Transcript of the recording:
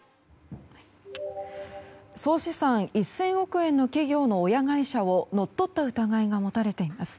総資産１０００億円の企業の親会社を乗っ取った疑いが持たれています。